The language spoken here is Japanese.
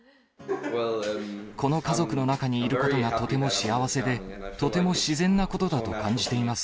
この家族の中にいることがとても幸せで、とても自然なことだと感じています。